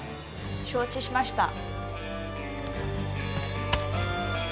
承知しました。